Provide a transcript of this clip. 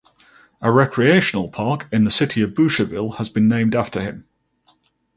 A recreational park in the city of Boucherville has been named after him.